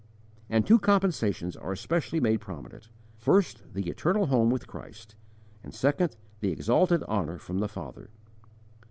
And two compensations are especially made prominent: first, the Eternal Home with Christ; and, second the _Exalted Honour from the Father.